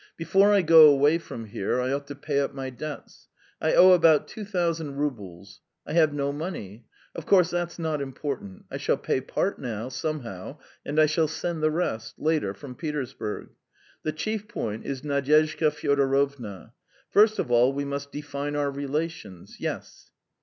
Before I go away from here I ought to pay up my debts. I owe about two thousand roubles. I have no money. ... Of course, that's not important; I shall pay part now, somehow, and I shall send the rest, later, from Petersburg. The chief point is Nadyezhda Fyodorovna. ... First of all we must define our relations. ... Yes."